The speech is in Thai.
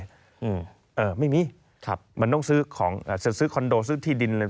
อืมเอ่อไม่มีครับมันต้องซื้อของอ่าจะซื้อคอนโดซื้อที่ดินเลย